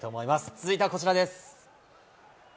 続いてはこちらです。